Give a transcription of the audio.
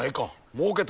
もうけたな。